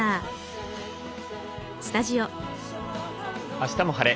「あしたも晴れ！